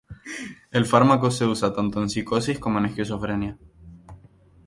El fármaco se usa tanto en psicosis como en esquizofrenia.